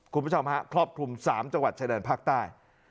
คุณผู้ชมฮะครอบคลุม๓จังหวัดชายแดนภาคใต้